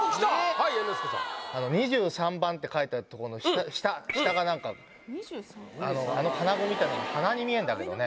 はい猿之助さんあの２３番って書いてあるとこの下下が何かあの金具みたいのが鼻に見えるんだけどね